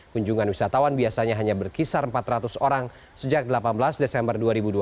kunjungan wisatawan biasanya hanya berkisar empat ratus orang sejak delapan belas desember dua ribu dua puluh